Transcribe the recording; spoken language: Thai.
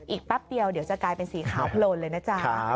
แป๊บเดียวเดี๋ยวจะกลายเป็นสีขาวโพลนเลยนะจ๊ะ